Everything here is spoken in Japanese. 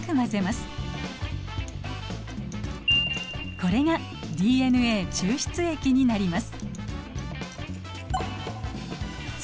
そこにこれがＤＮＡ抽出液になります。